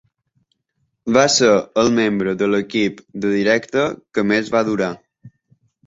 Va ser el membre de l'equip de directe que més va durar.